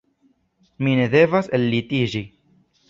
Mi ne devas ellitiĝi.«